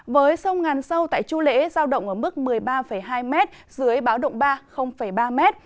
với sông ngàn sâu tại chu lễ giao động ở mức một mươi ba hai m dưới báo động ba ba m